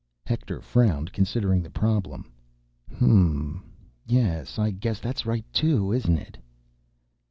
Hector frowned, considering the problem. "Hm m m ... yes, I guess that's right, too, isn't it?"